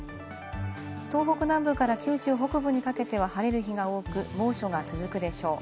東北南部から九州北部にかけては晴れる日が多く、猛暑が続くでしょう。